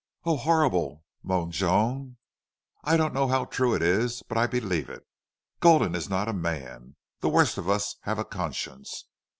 "Oh, horrible!" moaned Joan. "I don't know how true it is. But I believe it. Gulden is not a man. The worst of us have a conscience.